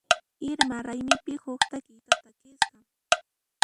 Irma raymipi huk takiyta takisqa.